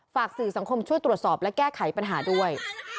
ฝากสื่อสังคมช่วยตรวจสอบและแก้ไขปัญหาด้วย